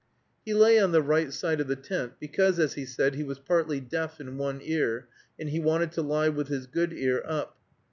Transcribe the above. He lay on the right side of the tent, because, as he said, he was partly deaf in one ear, and he wanted to lie with his good ear up.